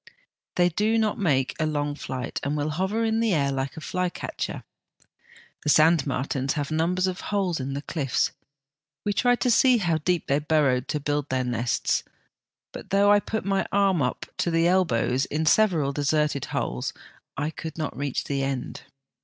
They do not make a long flight, and will hover in the air like a flycatcher. The sandmartins have numbers of holes in the cliffs. We tried to see how deep they burrowed to build their nests, but though I put my arm in up to the elbows in several deserted holes, I could not reach the end.